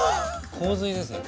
洪水ですね